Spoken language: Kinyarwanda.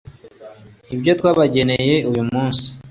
Ibyo twabageneye uyu munsi